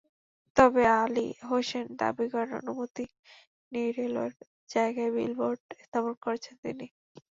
তবে আলী হোসেন দাবি করেন, অনুমতি নিয়ে রেলওয়ের জায়গায় বিলবোর্ড স্থাপন করেছেন তিনি।